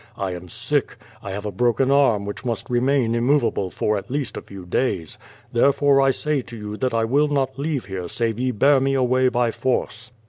I am sick. I have a broken QUO VADI8. 185 arm which must remain immovable for at least a few da3's. Therefore, I say to you tliat I will not leave here save ye bear me away by force."